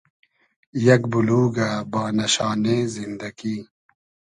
یئگ بولوگۂ بانۂ شانې زیندئگی